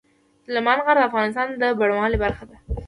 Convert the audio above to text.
سلیمان غر د افغانستان د بڼوالۍ برخه ده.